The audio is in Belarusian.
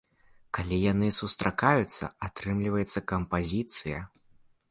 Калі яны сустракаюцца, атрымліваецца кампазіцыя.